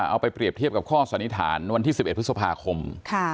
เอาไปเปรียบเทียบกับข้อสันนิษฐานวันที่๑๑พฤษภาคม